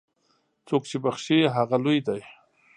څوک چې بخښي، هغه لوی دی.